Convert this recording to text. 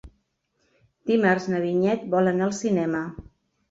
Dimarts na Vinyet vol anar al cinema.